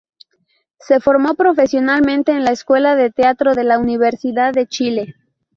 Se formó profesionalmente en la escuela de Teatro de la Universidad de Chile.